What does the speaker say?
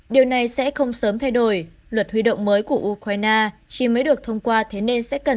điều này sẽ không sớm thay đổi luật huy động mới của ukraine chỉ mới được thông qua thế nên sẽ cần